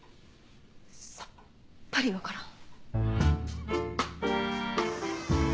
さっぱり分からん。